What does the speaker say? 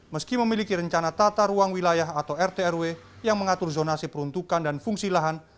meski memiliki rencana tata ruang wilayah atau rtrw yang mengatur zonasi peruntukan dan fungsi lahan